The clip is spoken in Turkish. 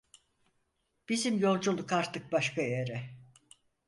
Bizim yolculuk artık başka yere…